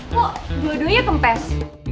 kok dua duanya kempes